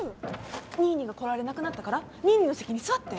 ニーニーが来られなくなったからニーニーの席に座って！